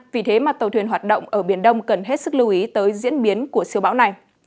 vì thế mà tàu thuyền hoạt động ở biển đông cần hết sức lưu ý tới diễn biến của siêu bão này